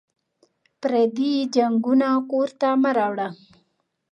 پردي جنګونه کور ته مه راوړه